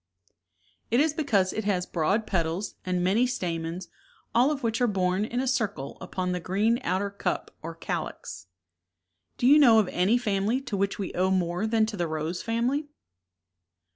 It is because it has broad pet als, and many stamens, all of which are borne in a circle upon the green outer cup or calyx. '°^"'''^'"■^' Do you know of any family to which we owe more than to the rose family?